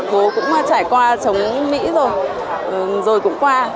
bố cũng trải qua chống mỹ rồi cũng qua